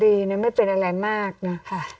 ดีนะไม่เป็นอะไรมากนะคะ